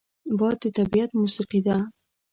باد د طبیعت موسیقي ده